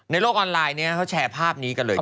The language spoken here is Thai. ในโลกออนไลน์เขาแชร์ภาพนี้ก็เลยเขียว